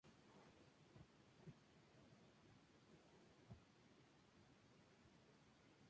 La representación de Blind Harry sobre William Wallace ha sido criticada como ficticia.